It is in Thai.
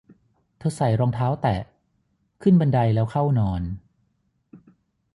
เธอใส่รองเท้าแตะ ขึ้นบันไดแล้วเข้านอน